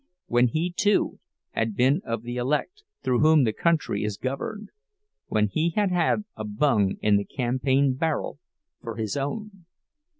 When he, too, had been of the elect, through whom the country is governed—when he had had a bung in the campaign barrel for his own!